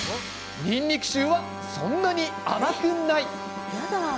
にんにく臭はそんなに甘くない。